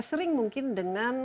ya sering mungkin dengan